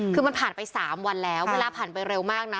คือมันผ่านไป๓วันแล้วเวลาผ่านไปเร็วมากนะ